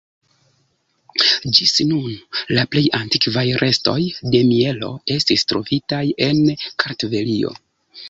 Ĝis nun, la plej antikvaj restoj de mielo estis trovitaj en Kartvelio.